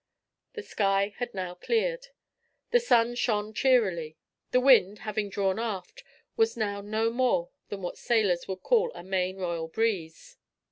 The sky had now cleared, the sun shone cheerily; the wind, having drawn aft, was now no more than what sailors would call a main royal breeze.